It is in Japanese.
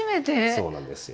そうなんですよ。